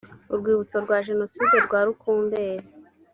urwibutso rwa jenoside rwa rukumberi